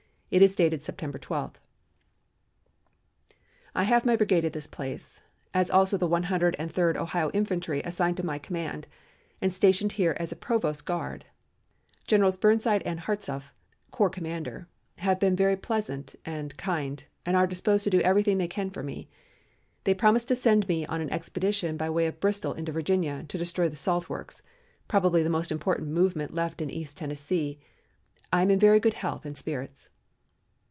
It is dated September 12: "I have my brigade at this place, as also the One Hundred and Third Ohio Infantry assigned to my command and stationed here as a provost guard. Generals Burnside and Hartsuff (corps commander) have been very pleasant and kind and are disposed to do everything they can for me. They promise to send me on an expedition by way of Bristol into Virginia to destroy the Salt Works, probably the most important movement left in East Tennessee. I am in very good health and spirits."